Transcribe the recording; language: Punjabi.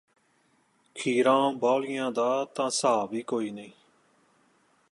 ਖੀਰਾਂ ਬਹੁਲਿਆਂ ਦਾ ਤਾਂ ਸਾਬ੍ਹ ਈ ਕੋਈ ਨਈਂ